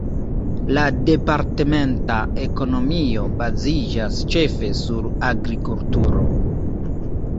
La departementa ekonomio baziĝas ĉefe sur agrikulturo.